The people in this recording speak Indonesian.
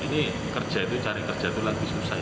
ini kerja itu cari kerja itu lagi susah